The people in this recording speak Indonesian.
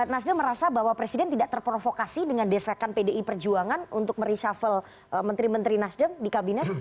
nasdem merasa bahwa presiden tidak terprovokasi dengan desakan pdi perjuangan untuk mereshuffle menteri menteri nasdem di kabinet